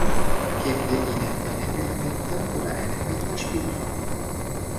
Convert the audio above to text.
Geben wir ihnen einen Millimeter oder einen Meter Spielraum?